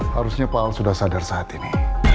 harusnya pak ahok sudah sadar saat ini